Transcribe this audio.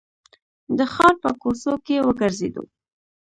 د ښار په کوڅو کې وګرځېدو.